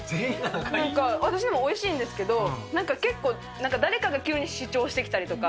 なんか私のもおいしいんですけど、なんか結構、なんか誰かが急に主張してきたりとか。